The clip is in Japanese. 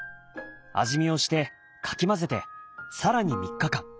味見をしてかき混ぜて更に３日間。